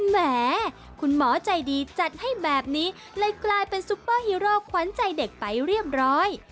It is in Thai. แหมคุณหมอใจดีจัดให้แบบนี้เลยกลายเป็นซุปเปอร์ฮีโร่ขวัญใจเด็กไปเรียบร้อย